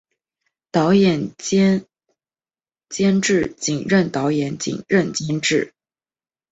导演兼监制仅任导演仅任监制